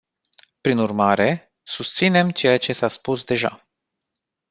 Prin urmare, susținem ceea ce s-a spus deja.